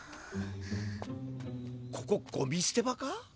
ここゴミすて場か？